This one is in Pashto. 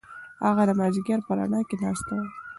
هغه د مازیګر په رڼا کې ناسته وه.